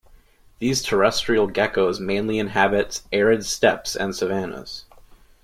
These terrestrial geckos mainly inhabit arid steppes and savannas.